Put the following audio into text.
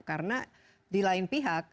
karena di lain pihak